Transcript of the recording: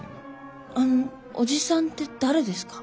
あのおじさんって誰ですか？